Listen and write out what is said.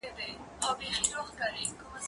هغه وويل چي کتابتون ارام دی،